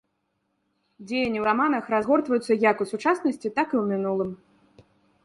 Дзеянні ў раманах разгортваюцца як ў сучаснасці, так і ў мінулым.